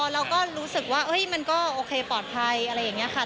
เราก็รู้สึกว่ามันก็โอเคปลอดภัยอะไรอย่างนี้ค่ะ